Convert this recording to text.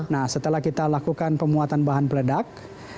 nah setelah kita lakukan pemuatan bahan peledak